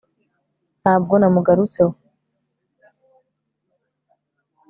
ntabwo namugarutse ho